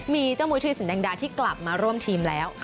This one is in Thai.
มีเจ้ามุยธุรสินแดงดาที่กลับมาร่วมทีมแล้ว